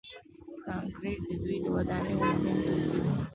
کانکریټ د دوی د ودانیو مهم توکي وو.